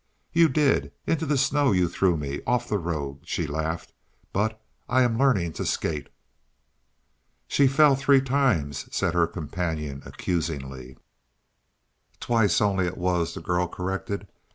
"You did; into the snow you threw me off the road." She laughed. "But I am learning to skate." "She fell three times," said her companion accusingly. "Twice only, it was," the girl corrected.